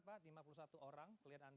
benar pak lima puluh satu orang